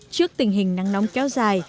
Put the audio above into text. trước tình hình nắng nóng kéo dài